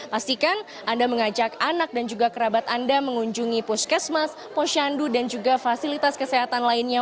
pastikan anda mengajak anak dan juga kerabat anda mengunjungi puskesmas posyandu dan juga fasilitas kesehatan lainnya